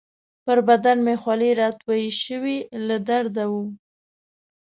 پر بدن مې خولې راتویې شوې، له درده وو.